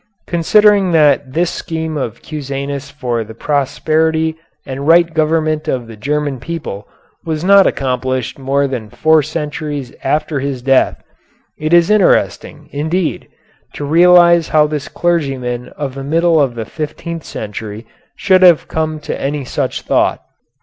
Considering that this scheme of Cusanus for the prosperity and right government of the German people was not accomplished until more than four centuries after his death, it is interesting, indeed, to realize how this clergyman of the middle of the fifteenth century should have come to any such thought.